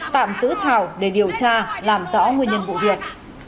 tạm giữ thảo để điều tra làm rõ nguyên nhân vụ việc